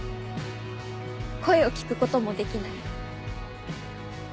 声を聞く事もできない。